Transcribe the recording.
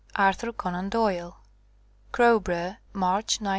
Arthur Conan Doyle. Crowborough, March 1922.